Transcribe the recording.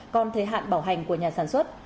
còn thời hạn bảo hành của nhà sản xuất